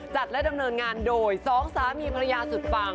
จัดและดำเนินงานโดยสองสามีภรรยาสุดปัง